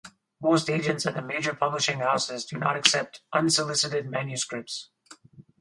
Most agents and the major publishing houses do not accept unsolicited manuscripts.